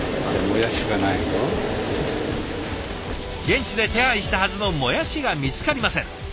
現地で手配したはずのもやしが見つかりません。